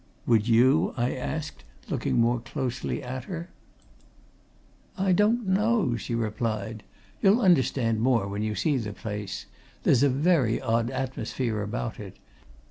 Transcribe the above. "Would you?" I asked, looking more closely at her. "I don't know," she replied. "You'll understand more when you see the place. There's a very odd atmosphere about it.